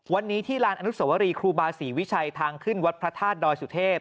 วันนี้ที่ลานอนุสวรีครูบาศรีวิชัยทางขึ้นวัดพระธาตุดอยสุเทพ